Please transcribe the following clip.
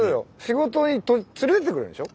仕事に連れていってくれるんでしょ？